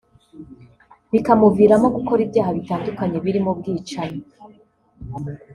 bikamuviramo gukora ibyaha bitandukanye birimo ubwicanyi